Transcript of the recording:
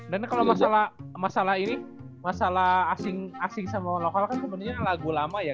dan kalau masalah ini masalah asing sama lokal kan sebenarnya lagu lama ya